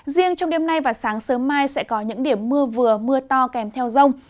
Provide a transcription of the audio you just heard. riêng trong đêm nay và sáng sớm mai sẽ có những điểm mưa vừa mưa to kèm theo rông